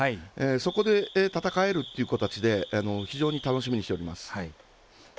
そこで戦えるっていう形で非常に楽しみにしています。